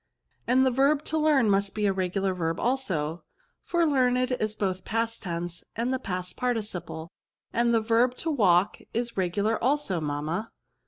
And the verb to learn must be a re gular verb also, for learned is both the past tense and the past participle ; and the verb to walk is regular also, mamma."